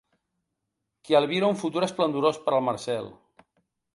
Que albira un futur esplendorós per al Marcel.